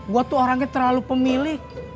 gue tuh orangnya terlalu pemilih